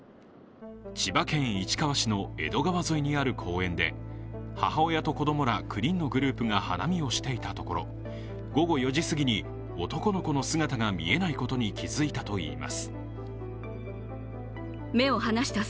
千葉県市川市の江戸川沿いにある公園で母親と子どもら９人のグループが花見をしていたところ、午後４時すぎに男の子の姿が見えないことに気づいたといいます。